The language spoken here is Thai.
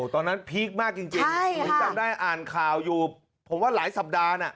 พีคมากจริงผมจำได้อ่านข่าวอยู่ผมว่าหลายสัปดาห์น่ะ